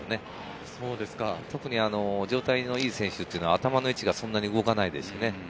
特に状態のいい選手は頭の位置がそんなに動かないですしね。